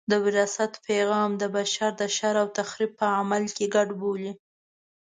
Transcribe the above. د وراثت پیغام د بشر د شر او تخریب په عمل کې ګډ بولي.